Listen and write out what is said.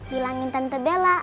bilangin tante bella